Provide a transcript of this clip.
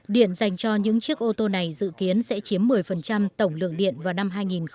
điện dành cho những chiếc ô tô này dự kiến sẽ chiếm một mươi tổng lượng điện vào năm hai nghìn hai mươi